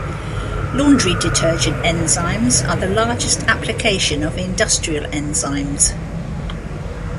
Laundry detergent enzymes are the largest application of industrial enzymes.